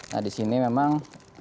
nah disini memang